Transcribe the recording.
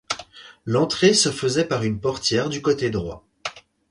L'entrée se faisait par une portière du côté droit.